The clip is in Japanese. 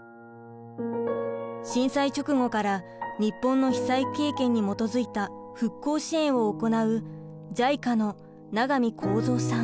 震災直後から日本の被災経験に基づいた復興支援を行うＪＩＣＡの永見光三さん。